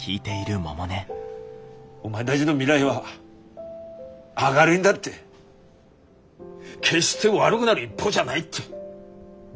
お前だぢの未来は明るいんだって決して悪ぐなる一方じゃないって